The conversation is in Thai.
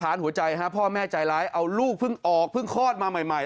หัวใจฮะพ่อแม่ใจร้ายเอาลูกเพิ่งออกเพิ่งคลอดมาใหม่